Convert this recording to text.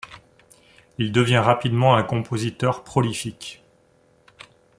Il devient rapidement un compositeur prolifique.